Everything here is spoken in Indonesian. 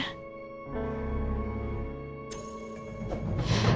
karena arshila butuh perhatian dan kasih sayang dari ayahnya